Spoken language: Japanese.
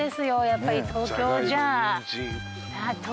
やっぱり東京じゃ。